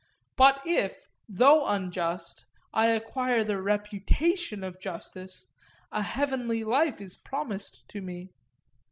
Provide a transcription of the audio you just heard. But if, though unjust, I acquire the reputation of justice, a heavenly life is promised to me.